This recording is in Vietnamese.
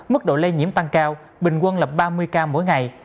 mức độ lây nhiễm tăng cao bình quân lập ba mươi ca mỗi ngày